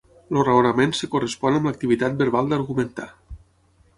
El raonament es correspon amb l'activitat verbal d'argumentar.